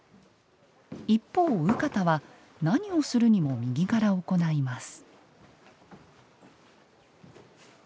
一方、右方は何をするにも右から行います。